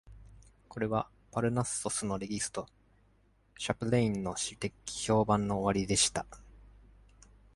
これはパルナッソスのレギスト、Chapelain の詩的評判の終わりでした。